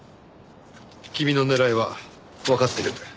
君の狙いはわかってる。